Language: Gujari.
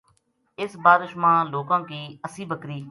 اس بارش ما لوکاں کی اسی بکری